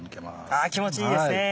あ気持ちいいですね。